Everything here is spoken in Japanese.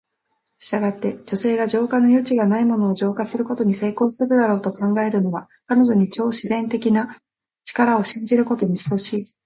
したがって、女性が浄化の余地がないものを浄化することに成功するだろうと考えるのは、彼女に超自然的な力を信じることに等しい。